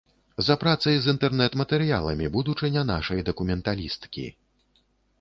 За працай з інтэрнэт-матэрыяламі будучыня нашай дакументалісткі.